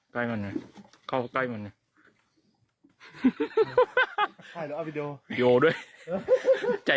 ใกล้มันนี้เขาก็ใกล้มันนี้